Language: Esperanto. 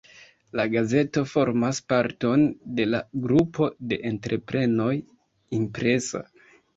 La gazeto formas parton de la grupo de entreprenoj "Impresa".